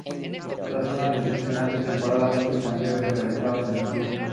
Tras una decepcionante temporada, muchos cambios se realizaron en el club.